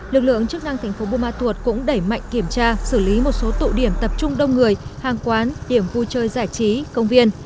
lực lượng chức năng thành phố buôn ma thuột cũng đẩy mạnh kiểm tra xử lý một số tụ điểm tập trung đông người hàng quán điểm vui chơi giải trí công viên